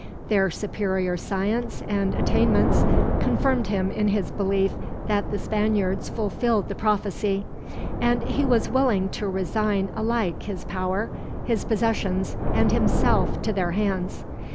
Their superior science and attainments confirmed him in his belief that the Spaniards fulfilled the prophecy, and he was willing to resign alike his power, his possessions, and himself to their hands.